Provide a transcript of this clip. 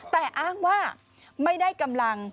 แต่อ้างว่าไม่ได้กำลัง